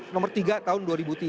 nomor tiga tahun dua ribu tiga